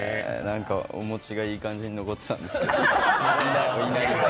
お餅がいい感じに残ってたんですけど。